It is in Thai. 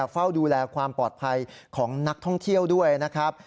เฝ้าดูแลความปลอดภัยของนักท่องเที่ยวด้วยนะครับ